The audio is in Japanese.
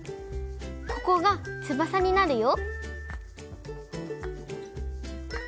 ここがつばさになるよ。